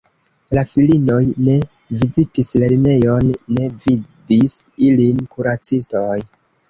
La filinoj ne vizitis lernejon, ne vidis ilin kuracistoj.